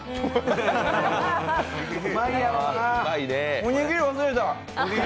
おにぎり忘れた！